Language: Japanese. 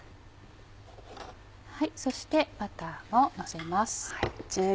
そしてバターものせます。